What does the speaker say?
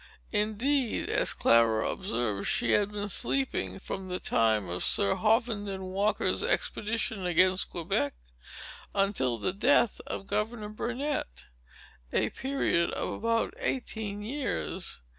Indeed, as Clara observed, she had been sleeping from the time of Sir Hovenden Walker's expedition against Quebec, until the death of Governor Burnet—a period of about eighteen years.